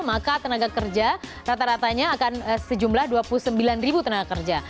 maka tenaga kerja rata ratanya akan sejumlah dua puluh sembilan ribu tenaga kerja